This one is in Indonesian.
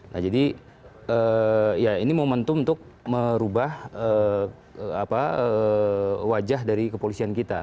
nah jadi ya ini momentum untuk merubah wajah dari kepolisian kita